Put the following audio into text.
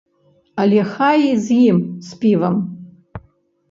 Але хай з ім, з півам.